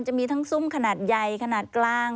จะมีทั้งซุ่มขนาดใหญ่ขนาดกลาง